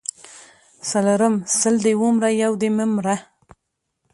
څلرم:سل دي ومره یو دي مه مره